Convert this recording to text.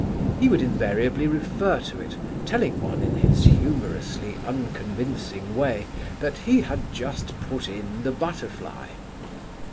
He would invariably refer to it, telling one in his humorously unconvincing way that 'he had just put in the butterfly.'